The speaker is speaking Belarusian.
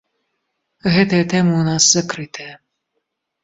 Гэтая тэма ў нас закрытая.